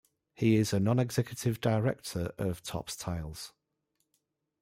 He is a non-executive Director of Topps Tiles.